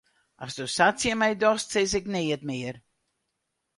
Asto sa tsjin my dochst, sis ik neat mear.